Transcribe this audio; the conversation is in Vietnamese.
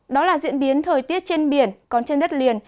đó là diễn biến thời tiết trên biển còn trên đất liền